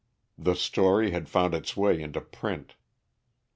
The story had found its way into print.